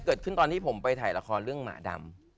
เกิดขึ้นตอนที่ผมไปถ่ายละครเรื่องหมาดำ